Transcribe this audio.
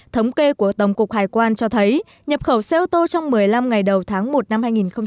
thống kê của tổng cục hải quan cho thấy nhập khẩu xe ô tô trong một mươi năm ngày đầu tháng một năm hai nghìn hai mươi